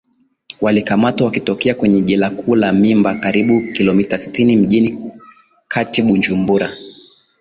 walikamatwa wakitokea kwenye jela kuu la mimba karibu kilomita sita na mjini kati bujumbura